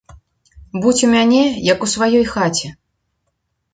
Будзь у мяне, як у сваёй хаце.